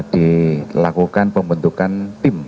dilakukan pembentukan tim